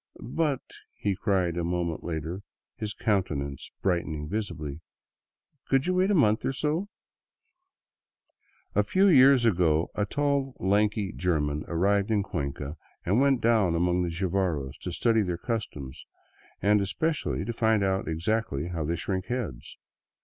" But," he cried a moment later, his countenance brightening visibly, " could you wait a month or so ?'* A few years ago a tall, lanky German arrived in Cuenca and went down among the Jivaros to study their customs, and especially to find out exactly how they shrink heads.